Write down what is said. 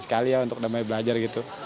sekali ya untuk damai belajar gitu